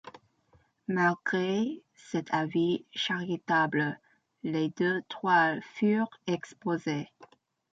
Malgré cet avis charitable, les deux toiles furent exposées.